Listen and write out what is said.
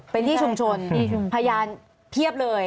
เป็นที่ชุมชนพยานเพียบเลย